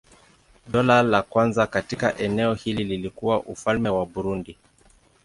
Dola la kwanza katika eneo hili lilikuwa Ufalme wa Burundi.